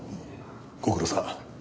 ご苦労さん。